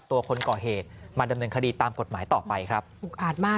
ตัวคนก่อเหตุมาดำเนินคดีตามกฎหมายต่อไปครับอุกอาจมาก